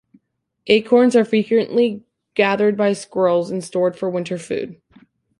Acorns are frequently gathered by squirrels and stored for winter food.